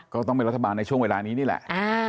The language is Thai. ก็ต้องเป็นรัฐบาลในช่วงเวลานี้นี่แหละ